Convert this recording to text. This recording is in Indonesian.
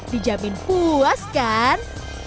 dijamin puas kan